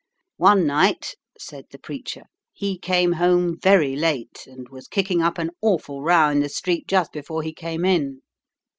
"One night," said the preacher, "he came home very late, and was kicking up an awful row in the street just before he came in.